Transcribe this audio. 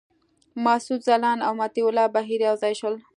مسعود ځلاند او مطیع الله بهیر یو ځای شول.